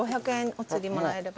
お釣りもらえれば。